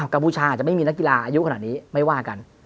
กพูชาอาจจะไม่มีนักกีฬาอายุขนาดนี้ไม่ว่ากัน